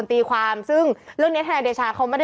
พี่ขับรถไปเจอแบบ